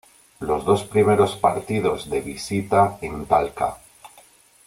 Los dos primeros partidos de visita en Talca.